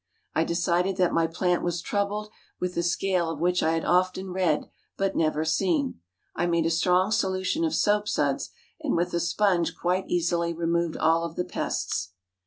I decided that my plant was troubled with the scale of which I had often read, but never seen. I made a pretty strong solution of soap suds, and with a sponge quite easily removed all of the pests.